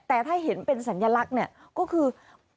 แต่ถ้าเห็นเป็นสัญลักษณ์เนี่ยก็คือ